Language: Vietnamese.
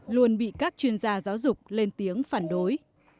luôn bị các chuyên gia giáo dục lên tiếng phản đối